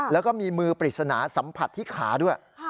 แล้วก็มีมือปริศนาสัมผัสที่ขาด้วย